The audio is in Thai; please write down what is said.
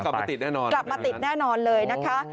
กลับมาติดแน่นอนเลยนะคะ